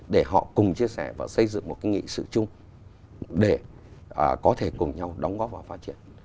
để họ cùng chia sẻ và xây dựng một cái nghị sự chung để có thể cùng nhau đóng góp vào phát triển